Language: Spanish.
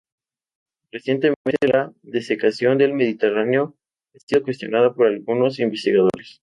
Recientemente la desecación del Mediterráneo ha sido cuestionada por algunos investigadores.